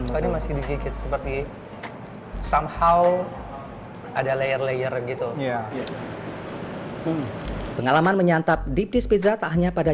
tadi masih di gigit seperti somehow ada layer layer gitu ya pengalaman menyantap dipisah tak hanya pada